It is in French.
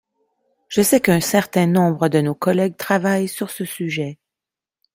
Je sais qu’un certain nombre de nos collègues travaillent sur ce sujet.